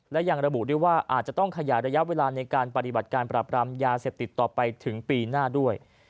และยังระบุด้วยว่าอาจจะต้องขยายระยะเวลาในการปฏิบัติการปราบรามยาเสพติดต่อไปถึงปีหน้าด้วย